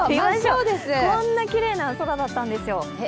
こんなきれいな空だったんですよ。